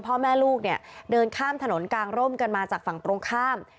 พ่อแม่ลูกเนี่ยเดินข้ามถนนกางร่มกันมาจากฝั่งตรงข้าม